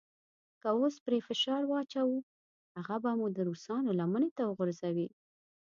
که اوس پرې فشار واچوو هغه به مو د روسانو لمنې ته وغورځوي.